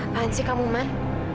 apaan sih kamu man